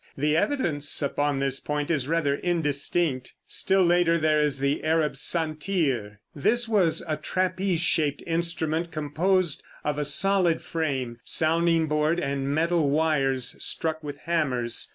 The evidence upon this point is rather indistinct. Still later there is the Arab santir (p. 114). This was a trapeze shaped instrument, composed of a solid frame, sounding board and metal wires struck with hammers.